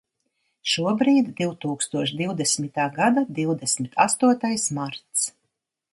Šobrīd divtūkstoš divdesmitā gada divdesmit astotais marts.